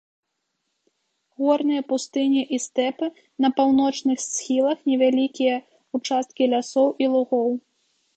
Горныя пустыні і стэпы, на паўночных схілах невялікія ўчасткі лясоў і лугоў.